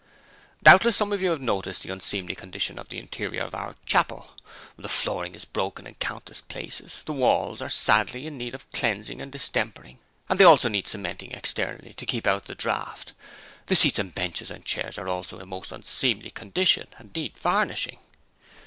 'Doubtless some of you have noticed the unseemly condition of the interior of our Chapel. The flooring is broken in countless places. the walls are sadly in need of cleansing and distempering, and they also need cementing externally to keep out the draught. The seats and benches and the chairs are also in a most unseemly condition and need varnishing.